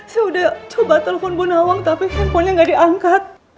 saya udah coba telepon bu nawang tapi handphonenya nggak diangkat